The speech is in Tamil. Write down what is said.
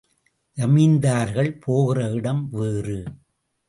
ஜமீன்தார்கள் போகிற இடம் வேறு.